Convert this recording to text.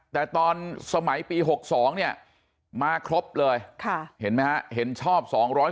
แต่ตอนสมัยปี๑๙๖๒มาครบเลยเห็นชอบ๒๔๙